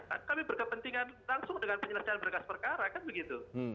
kan kami berkepentingan langsung dengan penyelesaian berkas perkara kan begitu